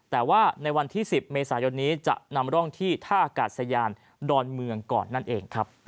แต่ว่าในวันที่๑๐เมษายนนี้จะนำร่องที่ท่าอากาศยานดอนเมืองก่อนนั่นเองครับ